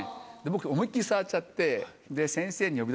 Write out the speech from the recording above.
僕思いっ切り触っちゃって。